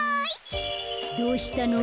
どうしたの？